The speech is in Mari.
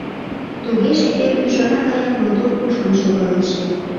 Тугеже эр ӱжара гаяк мотор кушкын шогалеш.